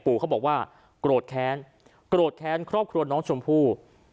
เขาบอกว่าโกรธแค้นโกรธแค้นครอบครัวน้องชมพู่